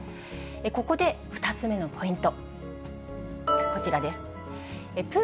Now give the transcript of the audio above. ここで２つ目のポイント。